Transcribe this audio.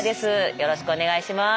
よろしくお願いします。